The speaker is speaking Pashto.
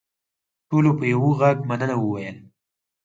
ټولو په یوه غږ مننه وویل.